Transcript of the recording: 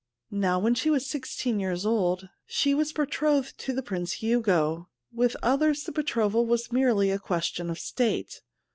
Now, when she was sixteen years old, she was beti othed to the Prince Hugo. With others the betrothal was merely a question of state.